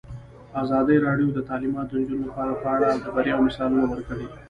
ازادي راډیو د تعلیمات د نجونو لپاره په اړه د بریاوو مثالونه ورکړي.